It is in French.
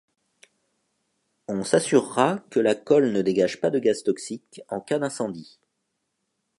On s'assurera que la colle ne dégage pas de gaz toxiques en cas d'incendie.